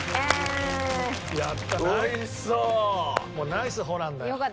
ナイスホランだよ。